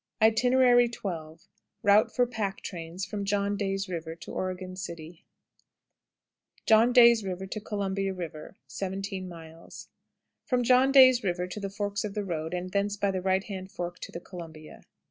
XII. Route for pack trains from John Day's River to Oregon City. Miles. John Day's River to 17. Columbia River. From John Day's River to the forks of the road, and thence by the right hand fork to the Columbia.